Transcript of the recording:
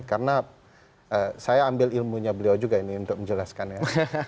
karena saya ambil ilmunya beliau juga ini untuk menjelaskannya